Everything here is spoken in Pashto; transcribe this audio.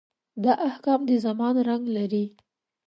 دا احکام د زمان رنګ لري.